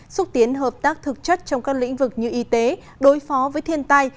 xúc tiến hợp tác thực chất trong các lĩnh vực như y tế đối phó với thiên tai